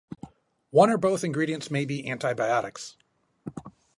One or both ingredients may be antibiotics.